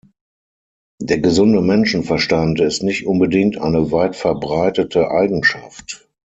Der gesunde Menschenverstand ist nicht unbedingt eine weit verbreitete Eigenschaft.